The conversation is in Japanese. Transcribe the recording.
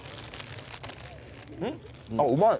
あっうまい。